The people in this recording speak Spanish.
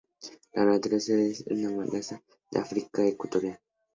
La naturaleza de la isla es una de las más amenazadas del África Ecuatorial.